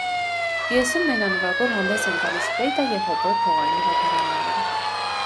Պիեսում մենանվագով հանդես են գալիս ֆլեյտա և հոբոյ փողային նվագարանները։